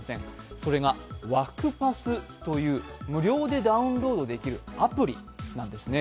それが、ワクパスという無料でダウンロードできるアプリなんですね。